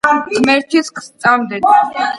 ღმერთის გსწამდეს